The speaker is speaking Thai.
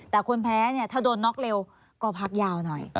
แต่คนแพ้เนี่ยถ้าโดนน็อกเร็วก็พักยาวหน่อย